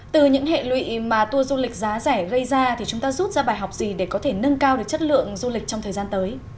từ những hệ lụy mà tour du lịch giá rẻ gây ra thì chúng ta rút ra bài học gì để có thể nâng cao được chất lượng du lịch trong thời gian tới